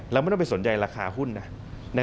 เราไม่ต้องไปสนใจราคาหุ้นนะ